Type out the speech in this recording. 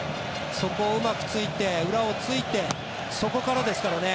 そこをうまく突いて裏を突いてそこからですからね。